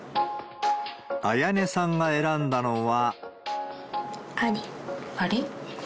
礼音さんが選んだのは。